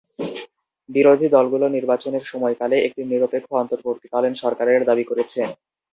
বিরোধী দলগুলি নির্বাচনের সময়কালে একটি নিরপেক্ষ অন্তর্বর্তীকালীন সরকারের দাবি করেছে।